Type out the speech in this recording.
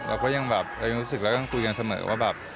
เราก็ยังแบบเรายังรู้สึกแล้วก็ยังคุยกันเสมอว่าแบบ